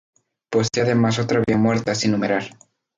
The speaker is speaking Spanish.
Posee además otra vía muerta sin numerar.